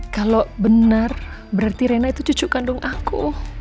kalau benar berarti rena itu cucu kandung aku